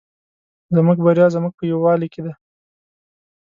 زموږ بریا زموږ په یوالي کې ده